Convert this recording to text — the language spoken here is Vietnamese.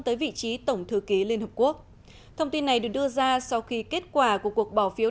tới vị trí tổng thư ký liên hợp quốc thông tin này được đưa ra sau khi kết quả của cuộc bỏ phiếu